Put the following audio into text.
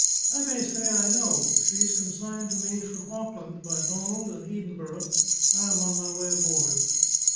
"I may say I know. She's consigned to me from Auckland by Donald & Edenborough. I am on my way aboard."